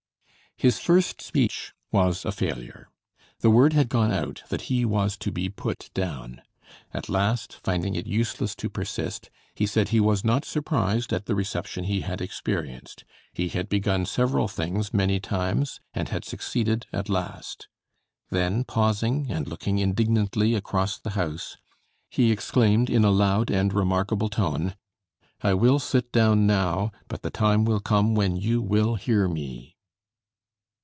His first speech was a failure. The word had gone out that he was to be put down. At last, finding it useless to persist, he said he was not surprised at the reception he had experienced. He had begun several things many times and had succeeded at last. Then pausing, and looking indignantly across the house, he exclaimed in a loud and remarkable tone, "I will sit down now, but the time will come when you will hear me."